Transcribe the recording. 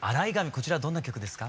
こちらどんな曲ですか？